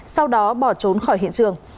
sau đó bỏ trốn khỏi hiện trường